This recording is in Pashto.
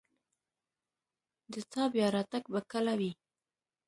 د تا بیا راتګ به کله وي